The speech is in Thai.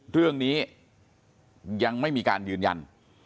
เรื่องนี้ยังไม่มีการยืนยัน